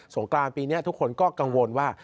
งกรานปีนี้ทุกคนก็กังวลว่า